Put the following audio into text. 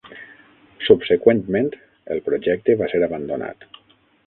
Subseqüentment, el projecte va ser abandonat.